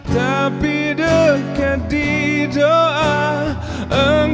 terbuat dari apa hati kamu din